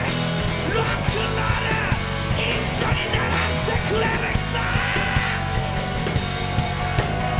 ロックンロール一緒に鳴らしてくれる人！